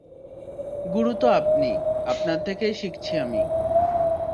গুরু তো আপনি, আপনার থেকেই শিখছি আমি।